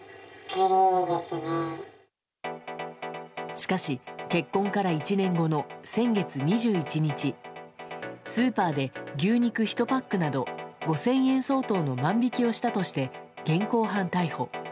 しかし結婚から１年後の先月２１日スーパーで牛肉１パックなど５０００円相当の万引きをしたとして現行犯逮捕。